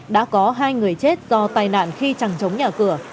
đã có hai người chết do tai nạn khi chẳng chống nhà cửa